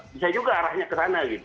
bisa juga arahnya ke sana gitu